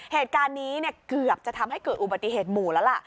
เหตุการณ์นี้เกือบจะทำให้เกิดอุบัติเหตุหมู่แล้วล่ะ